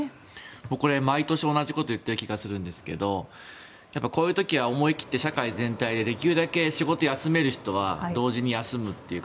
僕、毎年同じこと言ってる気がするんですけどこういう時は思い切って社会全体でできるだけ仕事を休める人は同時に休むというか。